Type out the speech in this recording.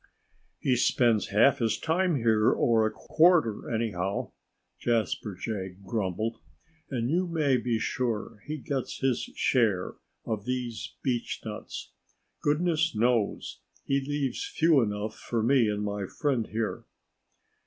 "He spends half his time here or a quarter, anyhow," Jasper Jay grumbled. "And you may be sure he gets his share of these beechnuts. Goodness knows he leaves few enough for me and my friend here.